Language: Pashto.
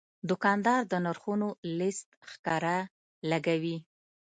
دوکاندار د نرخونو لیست ښکاره لګوي.